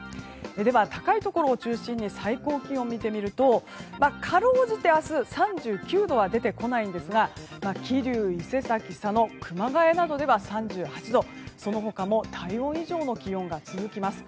高いところを中心に最高気温を見てみるとかろうじて明日、３９度は出てこないんですが桐生、伊勢崎、佐野熊谷などでは３８度その他も体温以上の気温が続きます。